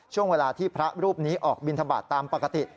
ช่วงเวลาที่พระรูปนี้ออกบินทบาทตามปกติ